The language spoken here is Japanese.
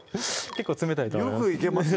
結構冷たいと思います